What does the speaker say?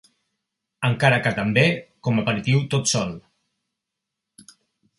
Encara que també com aperitiu tot sol.